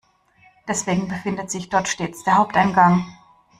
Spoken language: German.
Deswegen befindet sich dort stets der Haupteingang.